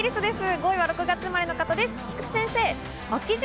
５位は６月生まれの方です、菊地先生。